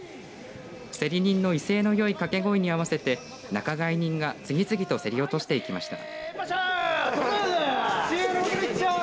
競り人の威勢のよいかけ声に合わせて仲買人が次々と競り落としていきました。